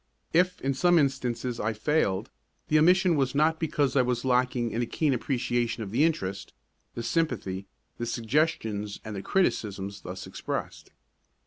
If in some instances I failed, the omission was not because I was lacking in a keen appreciation of the interest, the sympathy, the suggestions and the criticisms thus expressed.